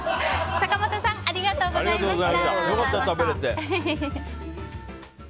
坂本さんありがとうございました。